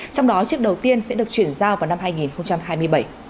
trong đó chiếc đầu tiên sẽ được chuyển giao vào năm hai nghìn hai mươi bảy